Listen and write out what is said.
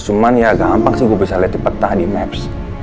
cuman ya gampang sih gue bisa lihat di peta di maps